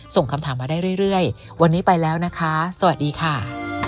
ส่งคำถามมาได้เรื่อยวันนี้ไปแล้วนะคะสวัสดีค่ะ